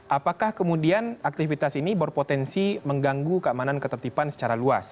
apakah kemudian aktivitas ini berpotensi mengganggu keamanan ketertiban secara luas